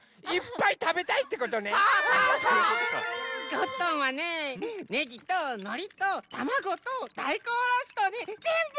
ゴットンはねネギとのりとたまごとだいこんおろしとねぜんぶ！